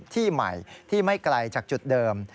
ที่ใหม่ที่ไม่ไกลจากจุดเดิม